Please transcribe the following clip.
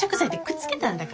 くっつけたんだ。